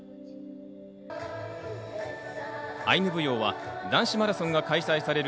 アイヌ舞踊は男子マラソンが開催される